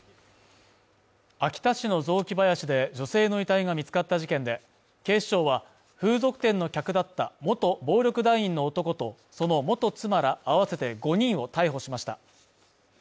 秋田市の雑木林で女性の遺体が見つかった事件で、警視庁は風俗店の客だった元暴力団員の男と、その元妻ら合わせて５人を逮捕しました。